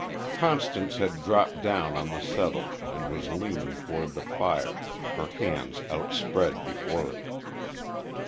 Constance had dropped down on the settle, and was leaning toward the fire her hands outspread before it.